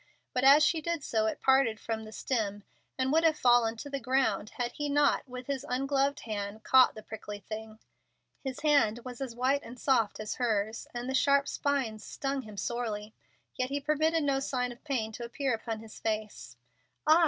But as she did so it parted from the stem, and would have fallen to the ground had he not, with his ungloved hand, caught the prickly thing. His hand was as white and soft as hers, and the sharp spines stung him sorely, yet he permitted no sign of pain to appear upon his face. "Ah!"